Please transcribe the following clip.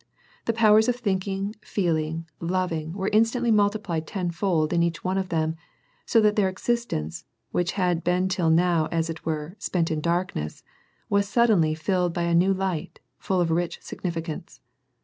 The powers of thinking, feeling, loving, were instantly multiplied tenfold in each one of them, so that their existence, which had been till now as it were, spent in darkness, was suddenly tilled by a new light, full of rich significance.